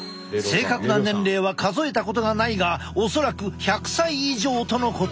正確な年齢は数えたことがないが恐らく１００歳以上とのこと。